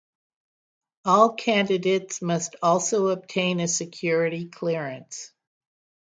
All candidates must also obtain a security clearance.